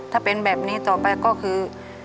ถ้าเป็นแบบนี้ต่อไปก็คือ